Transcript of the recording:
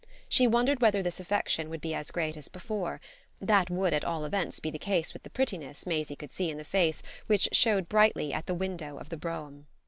She wondered whether this affection would be as great as before: that would at all events be the case with the prettiness Maisie could see in the face which showed brightly at the window of the brougham.